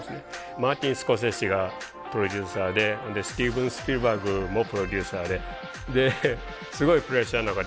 マーティン・スコセッシがプロデューサーでスティーブン・スピルバーグもプロデューサーでですごいプレッシャーの中でやったんですけど。